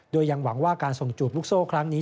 โดยยังหวังว่าการส่งจูบลูกโซ่ครั้งนี้